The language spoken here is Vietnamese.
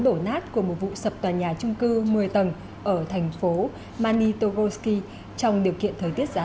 đổ nát của một vụ sập tòa nhà trung cư một mươi tầng ở thành phố manitogosky trong điều kiện thời tiết giá